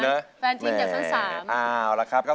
แฟนทิ้งจากชั้น๓